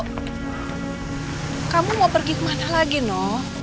kamu mau pergi kemana lagi no